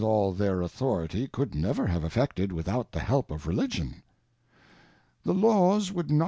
all their Authority could never have effected without the help of Religion ; the Laws would jiot.